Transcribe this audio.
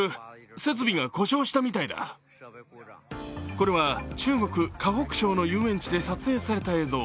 これは中国・河北省の遊園地で撮影された映像。